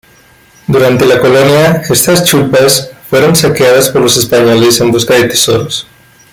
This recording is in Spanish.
Durante la colonia, estas chullpas fueron saqueadas por los españoles en busca de tesoros.